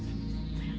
eh bu yanti